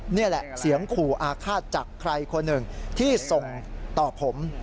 นี่แหละเสียงขู่อาฆาตจากใครคนหนึ่งที่ส่งต่อผม